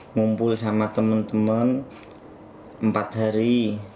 ngumpul sama teman teman empat hari